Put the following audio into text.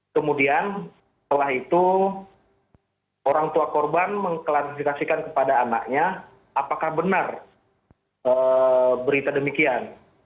kemudian setelah itu orang tua korban mengklarifikasikan kepada anaknya apakah benar berita demikian